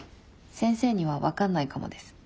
先生には分かんないかもです。